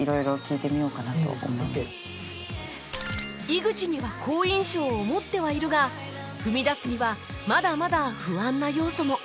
ちょっと井口には好印象を持ってはいるが踏み出すにはまだまだ不安な要素も